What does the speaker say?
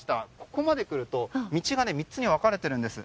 ここまで来ると道が３つに分かれているんです。